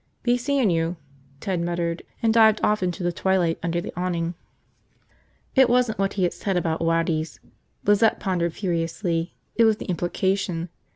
"Be seein' you," Ted muttered, and dived off into the twilight under the awning. It wasn't what he had said about Waddy's, Lizette pondered furiously, it was the implication.